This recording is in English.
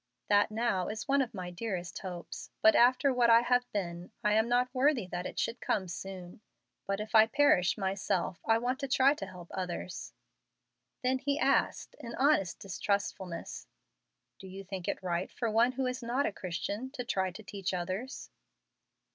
"That, now, is one of my dearest hopes. But after what I have been, I am not worthy that it should come soon. But if I perish myself I want to try to help others." Then he asked, in honest distrustfulness, "Do you think it right for one who is not a Christian to try to teach others?"